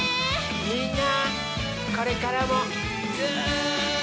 みんなこれからもずっと。